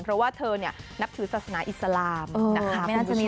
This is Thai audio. เพราะว่าเธอนับถือศาสนาอิสลามนะคะ